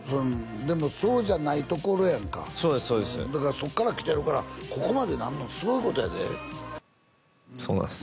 でもそうじゃないところやんかそうですそうですだからそっから来てるからここまでなんのすごいことやでそうなんです